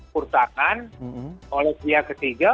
pertahanan oleh pihak ketiga